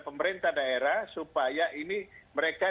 pemerintah daerah supaya ini mereka